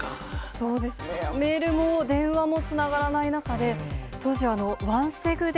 そうですね、メールも電話もつながらない中で、当時はワンセグで。